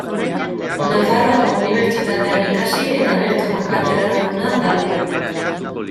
Nafarroako Unibertsitatean ikasi eta bertoko katedraduna da.